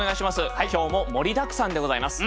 今日も盛りだくさんでございます。